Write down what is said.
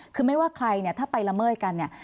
คือไม่ว่าใครเนี่ยถ้าไปละเมิดกันเนี่ย